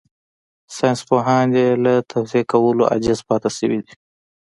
ساينسپوهان يې له توضيح کولو عاجز پاتې شوي دي.